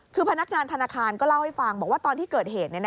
คือพนักงานธนาคารก็เล่าให้ฟังบอกว่าตอนที่เกิดเหตุ